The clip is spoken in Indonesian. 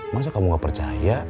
masa kamu gak percaya